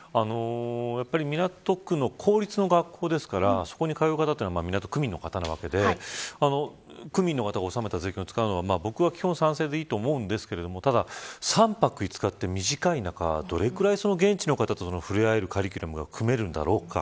やっぱり港区の公立の学校ですからそこに通う方は港区民のわけで区民の方が納めた税金を使うのは僕は基本賛成でいいと思うんですけどただ３泊５日という短い中どれぐらい現地の方と触れ合えるカリキュラムが組めるんだろうか。